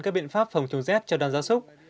các biện pháp phòng chống xét cho đàn da súc